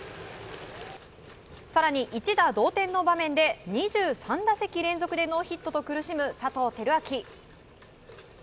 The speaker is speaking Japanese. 更に、一打同点の場面で２３打席連続でノーヒットと苦しむ佐藤輝明。